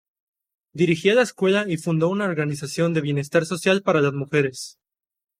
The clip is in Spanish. Dirigía la escuela y fundó una organización de bienestar social para las mujeres.